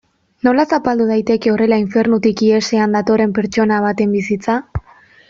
Nola zapaldu daiteke horrela infernutik ihesean datorren pertsona baten bizitza?